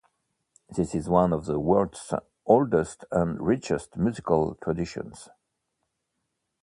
This is one of the world's oldest and richest musical traditions.